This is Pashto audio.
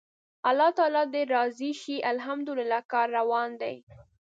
الله تعالی دې راضي شي، الحمدلله کار روان دی.